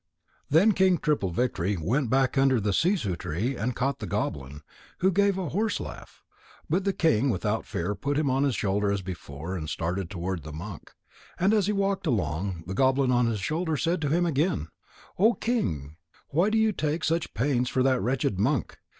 _ Then King Triple victory went back under the sissoo tree and caught the goblin, who gave a horse laugh. But the king without fear put him on his shoulder as before and started toward the monk. And as he walked along, the goblin on his shoulder said to him again: "O King, why do you take such pains for that wretched monk?